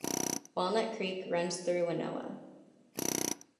Walnut Creek runs through Winona.